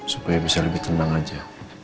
supaya bisa lebih tenang aja